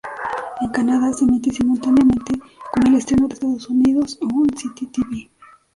En Canadá, se emite simultáneamente con el estreno en Estados Unidos, on City tv.